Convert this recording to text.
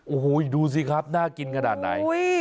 โอ้โหดูสิครับน่ากินขนาดไหน